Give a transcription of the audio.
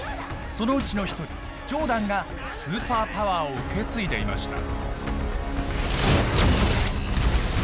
そのうちの一人ジョーダンがスーパーパワーを受け継いでいました。